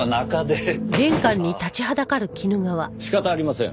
仕方ありません。